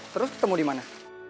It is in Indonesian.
terus ketemu dimana